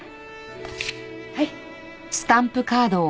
はい。